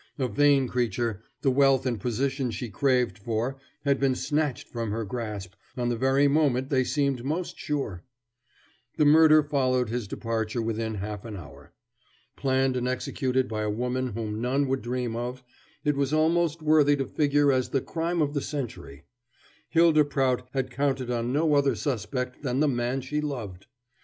A vain creature, the wealth and position she craved for had been snatched from her grasp on the very moment they seemed most sure. The murder followed his departure within half an hour. Planned and executed by a woman whom none would dream of, it was almost worthy to figure as the crime of the century. Hylda Prout had counted on no other suspect than the man she loved.